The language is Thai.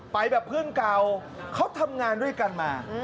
ไปแบบเพื่อนเก่าเขาทำงานด้วยกันมา